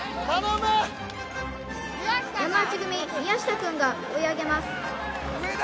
山内組宮下くんが追い上げます植田！